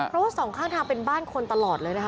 เพราะว่าสองข้างทางเป็นบ้านคนตลอดเลยนะคะ